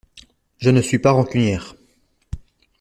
Je ne suis pas rancunière.